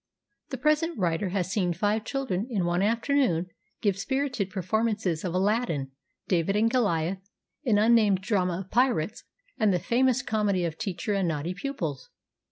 The present writer has seen five children in one afternoon give spirited performances of Aladdin, David and Goliath, an unnamed drama of pirates, and the famous comedy of teacher and naughty pupils.